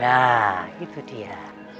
nah itu dia